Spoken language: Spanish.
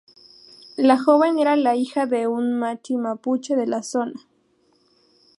La joven era la hija de una machi mapuche de la zona.